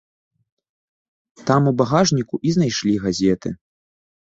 Там у багажніку і знайшлі газеты.